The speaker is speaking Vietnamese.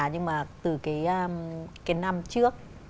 nhưng mà từ cái năm trước